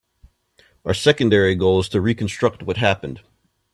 Our secondary goal is to reconstruct what happened.